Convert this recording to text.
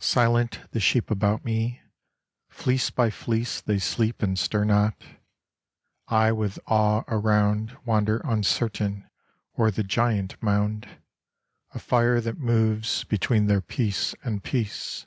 Silent the sheep about me ; fleece by fleece They sleep and stir not : I with awe around Wander uncertain o'er the giant mound, A fire that moves between their peace and peace.